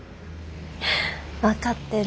分かってる。